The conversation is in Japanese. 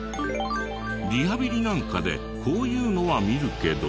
リハビリなんかでこういうのは見るけど。